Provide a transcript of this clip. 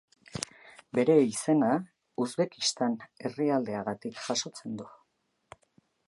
Bere izena Uzbekistan herrialdeagatik jasotzen du.